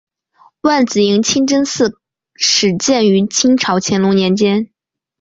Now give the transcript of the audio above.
万子营清真寺始建于清朝乾隆年间。